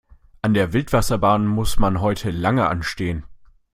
An der Wildwasserbahn muss man heute lange anstehen.